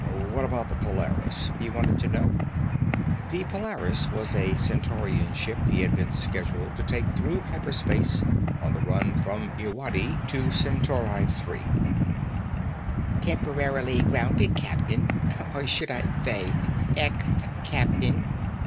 "What about the Polaris?" he wanted to know. The Polaris was a Centaurian ship he'd been scheduled to take through hyper space on the run from Irwadi to Centauri III. "Temporarily grounded, captain. Or should I thay, ecth captain?"